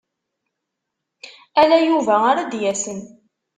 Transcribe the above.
Ala Yuba ara d-yasen.